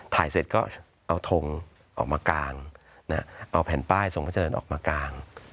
ถ่ายเสร็จก็เอาทงออกมากางเอาแผ่นป้ายทรงพระเจริญออกมากาง